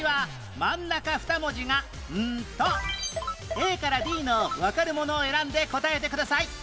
Ａ から Ｄ のわかるものを選んで答えてください